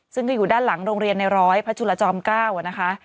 ซึ่งก็อยู่ด้านหลังโรงเรียนในร้อยพระจุลจอม๙นะคะ